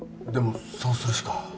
でもそうするしか。